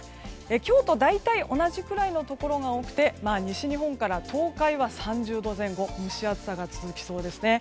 今日と大体同じぐらいのところが多くて西日本から東海は３０度前後蒸し暑さが続きそうです。